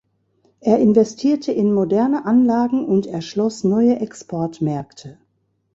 Er investierte in moderne Anlagen und erschloss neue Exportmärkte.